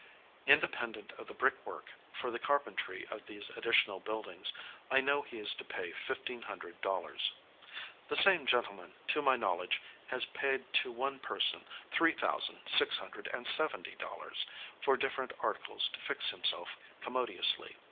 Independent of the brick work, for the carpentry of these additional buildings, I know he is to pay fifteen hundred dollars. The same gentleman, to my knowledge, has paid to one person, three thousand six hundred, and seventy dollars, for different articles to fix himself commodiously.